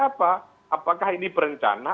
apa apakah ini berencana